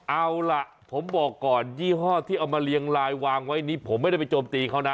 เอาล่ะผมบอกก่อนยี่ห้อที่เอามาเรียงลายวางไว้นี้ผมไม่ได้ไปโจมตีเขานะ